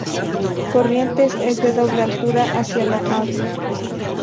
Corrientes, es de doble altura hacia la Av.